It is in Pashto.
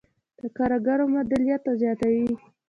د کارګرو مولدیت زیاتوي.